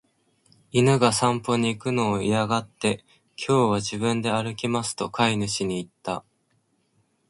犬が散歩に行くのを嫌がって、「今日は自分で歩きます」と飼い主に言った。